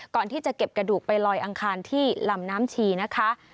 ก่อนที่จะเก็บกระดูกไปลอยอังคารที่ลำน้ำชีนะคะ